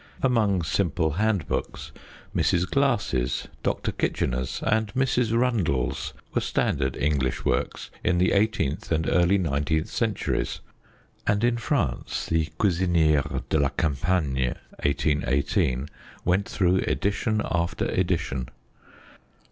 Among simple hand books, Mrs Glasse's, Dr Kitchener's and Mrs Rundell's were standard English works in the 1 8th and early 19th centuries; and in France the Cuisiniere de la campagne (1818) went through edition after edition.